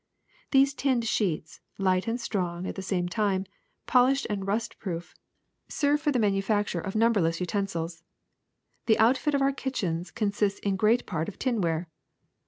These tinned sheets, light and strong at the same time, polished and rust proof, serve for the manufacture of num TIN PLATING 165 berless utensils. The outfit of our kitchens consists in great part of tinware.